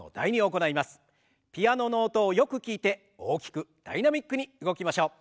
ピアノの音をよく聞いて大きくダイナミックに動きましょう。